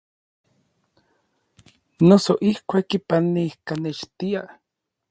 Noso ijkuak kipanijkanextiaj.